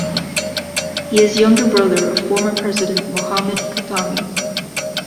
He is younger brother of former president Mohammad Khatami.